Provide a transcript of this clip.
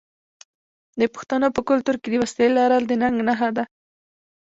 د پښتنو په کلتور کې د وسلې لرل د ننګ نښه ده.